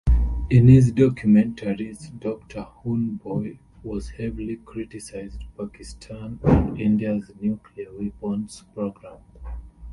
In his documentaries, Doctor Hoodbhoy has heavily criticised Pakistan and India's nuclear weapons program.